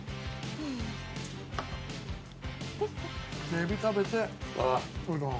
エビ食べてうどん。